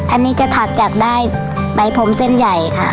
อันนี้จะถักจากได้ใบพรมเส้นใหญ่ค่ะ